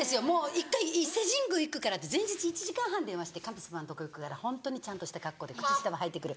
一回伊勢神宮行くからって前日１時間半電話して神様のとこ行くからホントにちゃんとした格好で靴下もはいてくる。